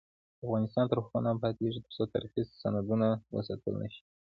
افغانستان تر هغو نه ابادیږي، ترڅو تاریخي سندونه وساتل نشي.